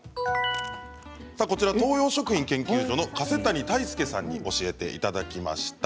東洋食品研究所の加瀬谷泰介さんに教えていただきました。